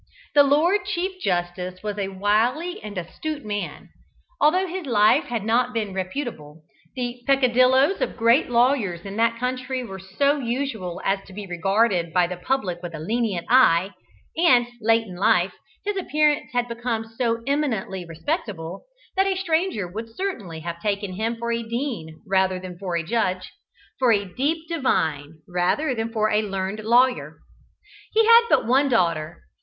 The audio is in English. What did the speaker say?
The Lord Chief Justice was a wily and astute man. Although his life had not been reputable, the peccadilloes of great lawyers in that country were so usual as to be regarded by the public with a lenient eye, and, late in life, his appearance had become so eminently respectable, that a stranger would certainly have taken him for a dean rather than for a judge, for a deep divine rather than for a learned lawyer. He had but one daughter.